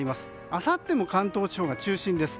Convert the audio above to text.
あさっても関東地方が中心です。